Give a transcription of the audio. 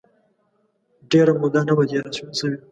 ډېره موده نه وه تېره سوې.